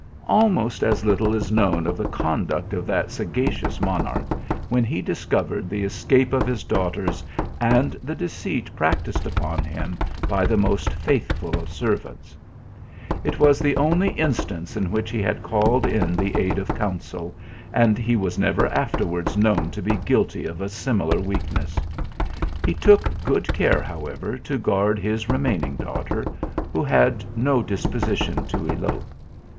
Almost as little is known of the conduct of that sagacious monarch, when he discovered the escape of his daughters and. the deceit practised upon him by the most faithful of servants. It was the only in stance in which he had called in the aid of counsel, and he was never afterwards known to be guilty of a similar weakness. He took good care, however, to guard his remaining daughter ; who had no dis position to elope.